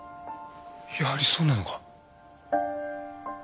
やはりそうなのか？